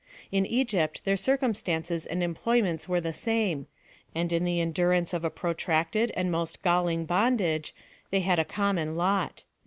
In Egypt their circumstances and employments were the same ; and in the endurance of a protracted and most galling bondage they had a common lot.